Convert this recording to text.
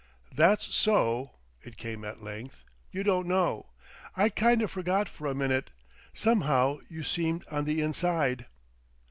"That's so," it came at length. "You don't know. I kind of forgot for a minute; somehow you seemed on the inside."